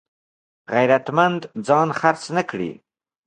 غیرتمند ځان خرڅ نه کړي